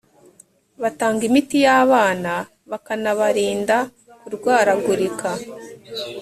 batanga imitiyabana bakanabarinda kurwaragurika .